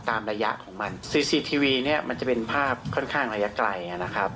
ระยะของมันซีซีทีวีเนี่ยมันจะเป็นภาพค่อนข้างระยะไกลนะครับ